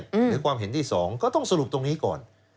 หรือความเห็นที่๒ก็ต้องสรุปตรงนี้ก่อน